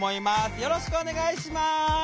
よろしくお願いします。